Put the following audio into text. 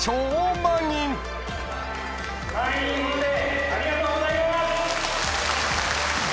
満員御礼ありがとうございます。